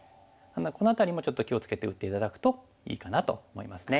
この辺りもちょっと気を付けて打って頂くといいかなと思いますね。